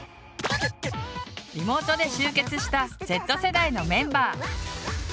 リモートで集結したＺ世代のメンバー。